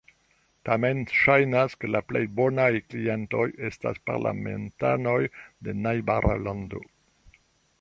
Tamen ŝajnas, ke la plej bonaj klientoj estas parlamentanoj de najbara lando.